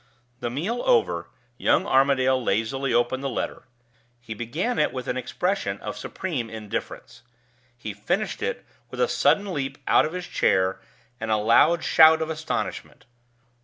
The meal over, young Armadale lazily opened the letter. He began it with an expression of supreme indifference. He finished it with a sudden leap out of his chair, and a loud shout of astonishment.